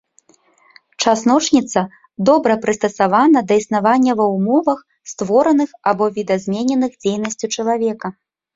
Часночніца добра прыстасавана да існавання ва ўмовах, створаных або відазмененых дзейнасцю чалавека.